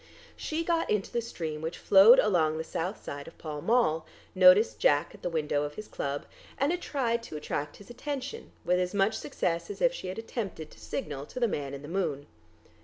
She got into the stream which flowed along the south side of Pall Mall, noticed Jack at the window of his club, and tried to attract his attention with as much success as if she had attempted to signal to the man in the moon.